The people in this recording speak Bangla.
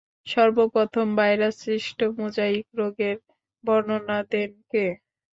সর্বপ্রথম ভাইরাস সৃষ্ট মোজাইক রোগের বর্ণনা দেন কে?